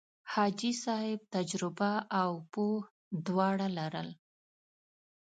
حاجي صاحب تجربه او پوه دواړه لرل.